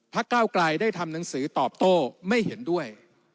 ก้าวไกลได้ทำหนังสือตอบโต้ไม่เห็นด้วย